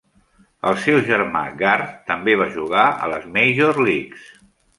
El seu germà Garth també va jugar a les Major Leagues.